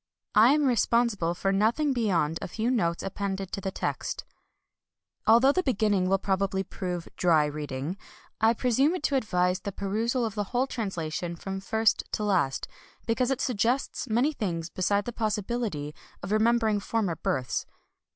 I am responsible for nothing beyond a few notes appended to the text. Although the beginning will probably prove dry reading, I presume to advise the perusal 268 THE REBIRTH OF KATSUGORO of the whole translation from first to last, because it suggests many things besides the possibility of remembering former births.